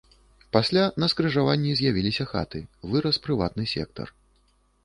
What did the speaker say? Пасля на скрыжаванні з'явіліся хаты, вырас прыватны сектар.